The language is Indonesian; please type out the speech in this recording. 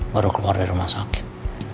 baru keluar dari rumah sakit